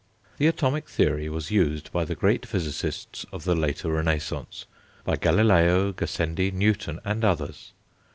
The atomic theory was used by the great physicists of the later Renaissance, by Galileo, Gassendi, Newton and others.